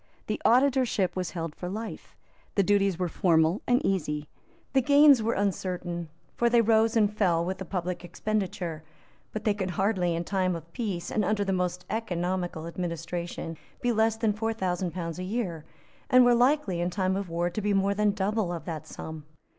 The Auditorship was held for life. The duties were formal and easy. The gains were uncertain; for they rose and fell with the public expenditure; but they could hardly, in time of peace, and under the most economical administration, be less than four thousand pounds a year, and were likely, in time of war, to be more than double of that sum.